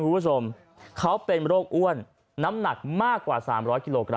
คุณผู้ชมเขาเป็นโรคอ้วนน้ำหนักมากกว่า๓๐๐กิโลกรั